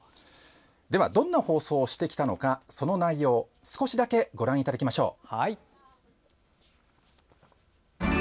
どんな放送をしてきたのかその内容を、少しだけご覧いただきましょう。